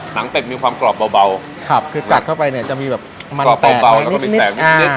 หนังเป็กมีความกรอบเบาเบาครับคือกัดเข้าไปเนี่ยจะมีแบบมันแปดไปนิดนิดอ่า